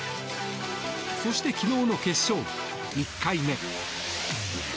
そして、昨日の決勝１回目。